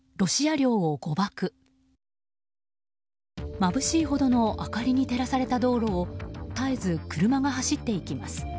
まぶしいほどの明かりに照らされた道路を絶えず車が走っていきます。